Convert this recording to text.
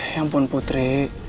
ya ampun putri